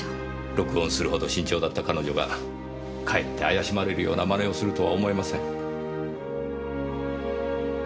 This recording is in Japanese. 録音するほど慎重だった彼女がかえって怪しまれるような真似をするとは思えません。